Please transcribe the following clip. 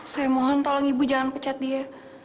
saya mohon tolong ibu jangan pecat dia